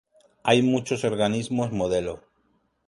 Hay muchos organismos modelo.